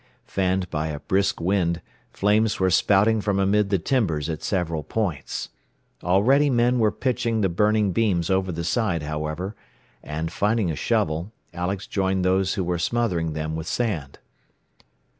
Fanned by a brisk wind, flames were spouting from amid the timbers at several points. Already men were pitching the burning beams over the side, however; and finding a shovel, Alex joined those who were smothering them with sand.